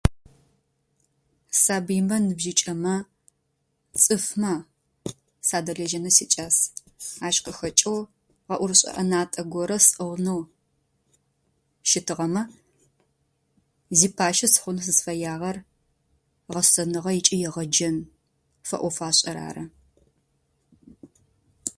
Сабыймэ ныбжьыкӏэмэ цӏыфмэ садэлэжьэни сикӏас. Ащ къыхэкӏэу гъэӏорышӏэ ӏэнатэ горэ сӏыгъынэу щытыгъэмэ зи пхъашъэ схъун сызфэягъэр гъэсэныгъэ ыкӏи егъэджэн фэӏоф ашӏэр ары.